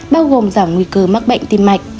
bao gồm giảm nguy cơ mắc bệnh tim mạch